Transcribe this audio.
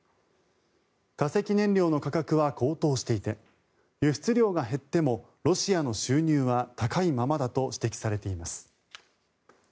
化石燃料の価格は高騰していて輸出量が減ってもロシアの収入は高いままだと指摘されています。